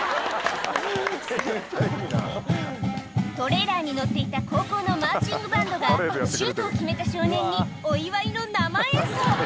トレーラーに乗っていた高校のマーチングバンドがシュートを決めた少年にお祝いの生演奏